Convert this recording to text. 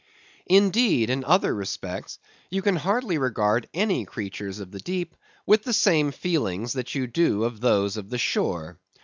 Indeed, in other respects, you can hardly regard any creatures of the deep with the same feelings that you do those of the shore.